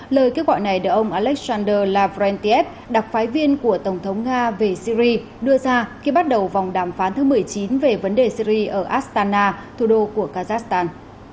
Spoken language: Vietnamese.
lời kêu gọi này được ông alexander lavrentiev đặc phái viên của tổng thống nga về syri đưa ra khi bắt đầu vòng đàm phán thứ một mươi chín về vấn đề syri ở astana thủ đô của kazakhstan